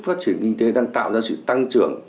phát triển kinh tế đang tạo ra sự tăng trưởng